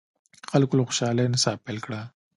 خلکو له خوشالۍ نڅا پیل کړه.